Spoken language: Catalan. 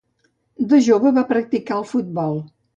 De jove va practicar el futbol.